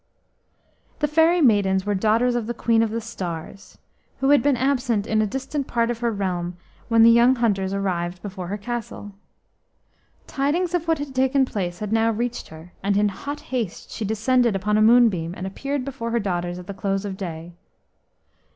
The fairy maidens were daughters of the Queen of the Stars, who had been absent in a distant part of her realm when the young hunters arrived before her castle. Tidings of what had taken place had now reached her, and in hot haste she descended upon a moonbeam and appeared before her daughters at the close of day.